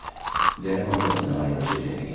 ゼネコンとのつながりを重点的に。